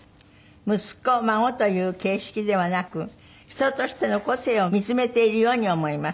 「“息子”“孫”という形式ではなく人としての個性を見つめているように思います」